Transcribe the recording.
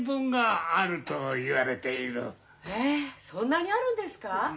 へえそんなにあるんですか！？